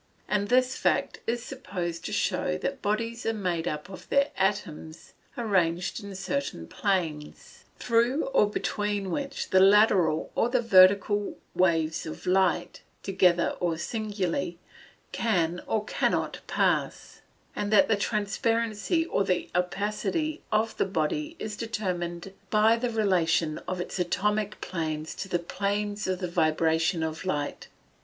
And this fact is supposed to show that bodies are made up of their atoms arranged in certain planes, through or between which the lateral or the vertical waves of light, together or singly, can or cannot pass; and that the transparency or the opacity of a body is determined by the relation of its atomic planes to the planes of the vibrations of light.